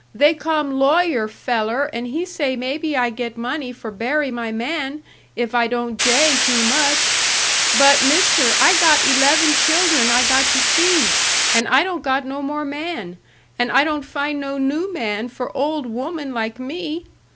They come lawyer feller and he say maybe I get money for bury my man, if I don't jay too much. But, Mister, I got eleven children I got to feed, and I don't got no more man, and I don't find no new man for old woman like me.